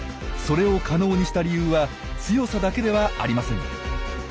それを可能にした理由は強さだけではありません。